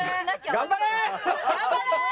頑張れー！